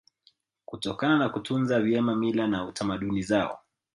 Kutokana na kutunza vyema mila na tamaduni zao